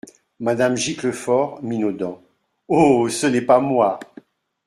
Madame Giclefort, minaudant. — Oh ! ce n’est pas moi !